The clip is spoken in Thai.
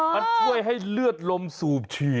มันช่วยให้เลือดลมสูบฉี่